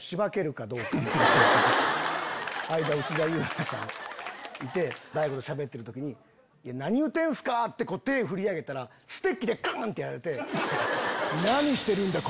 間内田裕也さんいて大悟としゃべってる時に「何言うてんすか」ってこう手振り上げたらステッキでガン！ってやられて。